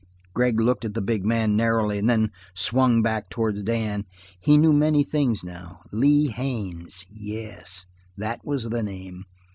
Gregg looked at the big man narrowly, and then swung back towards Dan. He knew many things, now. Lee Haines yes, that was the name.